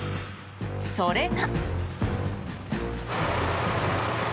それが。